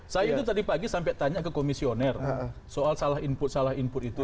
saya itu tadi pagi sampai tanya ke komisioner soal salah input salah input itu